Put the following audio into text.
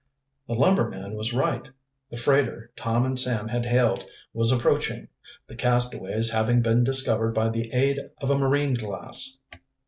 The lumberman was right; the freighter Tom and Sam had hailed was approaching, the castaways having been discovered by the aid of a marine glass.